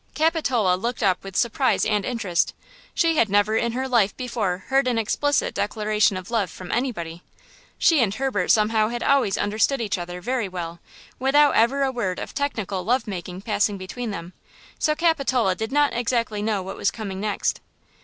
Capitola looked up with surprise and interest; she had never in her life before heard an explicit declaration of love from anybody. She and Herbert somehow had always understood each other very well, without ever a word of technical love making passing between them; so Capitola did not exactly know what was coming next.